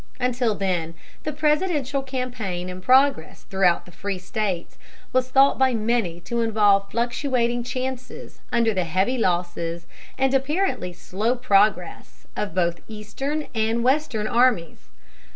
Until then the presidential campaign in progress throughout the free States was thought by many to involve fluctuating chances under the heavy losses and apparently slow progress of both eastern and western armies.